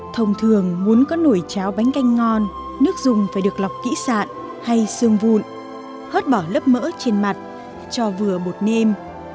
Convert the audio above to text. thông thường muốn có nổi cháo bánh canh ngon nước dùng phải được lọc kỹ sạn hay sương vụn hớt bỏ lớp mỡ trên mặt cho vừa bột nêm